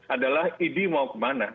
adalah idi mau ke mana